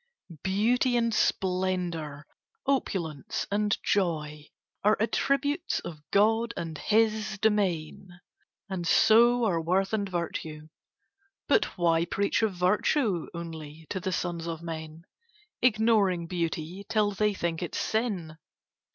Beauty and splendour, opulence and joy, Are attributes of God and His domain, And so are worth and virtue. But why preach Of virtue only to the sons of men, Ignoring beauty, till they think it sin?